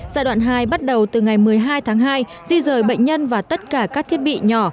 giai đoạn hai bắt đầu từ ngày một mươi hai tháng hai di rời bệnh nhân và tất cả các thiết bị nhỏ